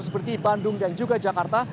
seperti bandung dan juga jakarta